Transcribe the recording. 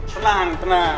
tenang tenang ya